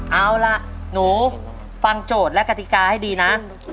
เอาล่ะหนูฟังโจทย์และกติกาให้ดีนะ